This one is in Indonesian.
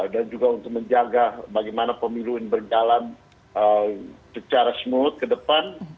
dan juga untuk menjaga bagaimana pemilu ini berjalan secara smooth ke depan